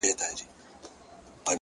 زحمت د موخو د رسېدو بیړۍ ده!.